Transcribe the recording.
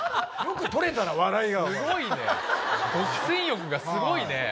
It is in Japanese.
独占欲がすごいね。